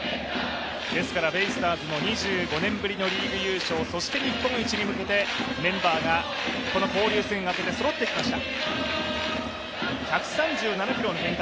ベイスターズの２５年ぶりのリーグ優勝、そして日本一に向けてメンバーが交流戦明けてそろってきました。